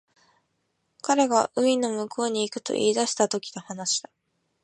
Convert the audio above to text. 彼が海の向こうに行くと言い出したときの話だ